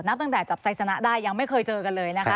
ตั้งแต่จับไซสนะได้ยังไม่เคยเจอกันเลยนะคะ